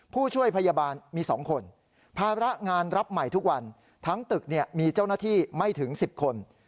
ผู้ช่วยพยาบาลมี๒คนภาระงานรับใหม่ทุกวันทั้งตึกมีเจ้าหน้าที่ไม่ถึง๑๐คน